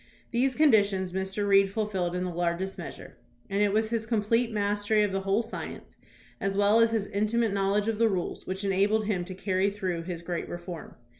These conditions Mr. Reed fulfilled in the largest measure, and it was his complete mastery of the whole science, as well as his intimate knowledge of the rules, which enabled him to carry through his great reform.